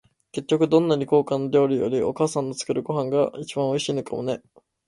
結局、どんなに高価な料理より、お母さんの作るご飯が一番おいしいのかもね。